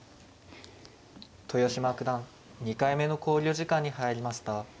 豊島九段２回目の考慮時間に入りました。